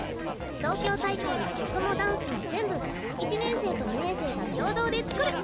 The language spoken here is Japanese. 東京大会は曲もダンスも全部１年生と２年生が共同で作る！